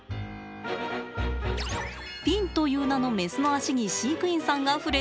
ピンという名のメスの足に飼育員さんが触れています。